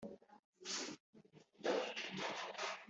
mugiye kwinjira muri kanahani, icyo ni cyo gihugu mwahaweho umugabane